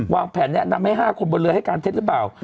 แผนแนะนำให้๕คนบนเรือให้การเท็จหรือเปล่า